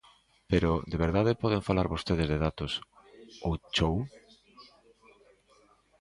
Pero ¿de verdade poden falar vostedes de datos ao chou?